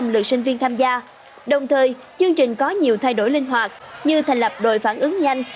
năm trăm linh lượt sinh viên tham gia đồng thời chương trình có nhiều thay đổi linh hoạt như thành lập đội phản ứng nhanh